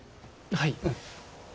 はい。